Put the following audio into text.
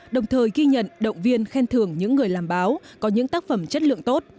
đồng thời ghi nhận động viên khen thưởng những người làm báo có những tác phẩm chất lượng tốt